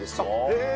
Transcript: へえ！